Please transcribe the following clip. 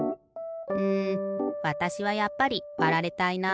うんわたしはやっぱりわられたいな。